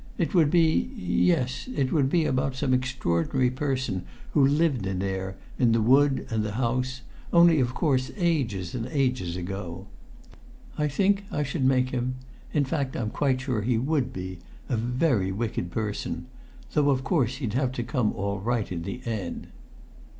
"It would be ... yes, it would be about some extraordinary person who lived in there, in the wood and the house, only of course ages and ages ago. I think I should make him in fact I'm quite sure he would be a very wicked person, though of course he'd have to come all right in the end."